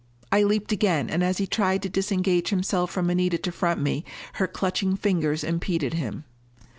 I leaped again, and as he tried to disengage himself from Anita to front me, her clutching fingers impeded him.